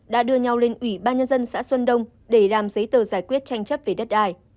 đã đưa nhau lên ubnd xã xuân đông để làm giấy tờ giải quyết tranh chấp về đất đài